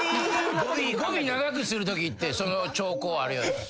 語尾長くするときってその兆候ある。